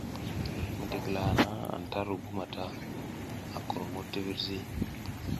Midigila hana anta ru gu mata, a kurmud ti virzi.